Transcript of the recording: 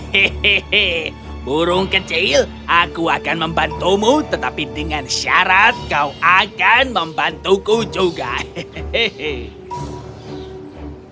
hehehe burung kecil aku akan membantumu tetapi dengan syarat kau akan membantuku juga hehehe